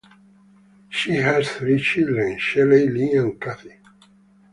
She has three children: Shelley, Lee and Cathy.